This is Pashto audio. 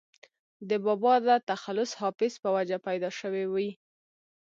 دَبابا دَ تخلص “حافظ ” پۀ وجه پېدا شوې وي